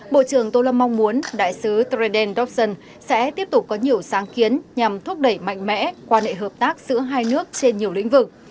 bộ trưởng tô lâm mong muốn đại sứ treden dobson sẽ tiếp tục có nhiều sáng kiến nhằm thúc đẩy mạnh mẽ quan hệ hợp tác giữa hai nước trên nhiều lĩnh vực